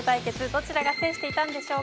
どちらが制していたんでしょうか？